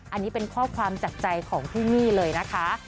อันนี้เป็นข้อความจากใจของพี่มี่เลยนะคะ